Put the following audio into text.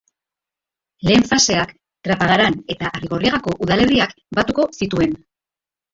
Lehen faseak, Trapagaran eta Arrigorriagako udalerriak batuko zituen.